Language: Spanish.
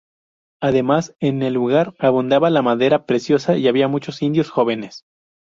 Además, en el lugar abundaba la madera preciosa y había muchos indios jóvenes.